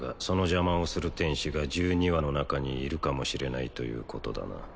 その邪魔をする天使が１２羽の中にいるかもしれないということだな